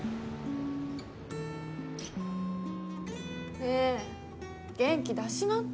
ねえ元気出しなって。